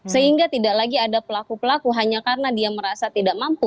sehingga tidak lagi ada pelaku pelaku hanya karena dia merasa tidak mampu